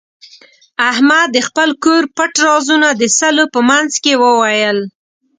احمد د خپل کور پټ رازونه د سلو په منځ کې وویل.